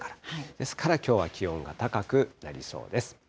ですから、きょうは気温が高くなりそうです。